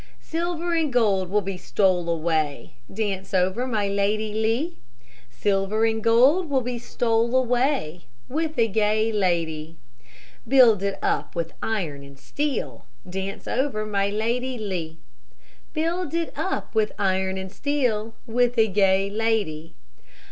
Silver and gold will be stole away, Dance over my Lady Lee; Silver and gold will be stole away, With a gay lady. Build it up with iron and steel, Dance over my Lady Lee; Build it up with iron and steel, With a gay lady.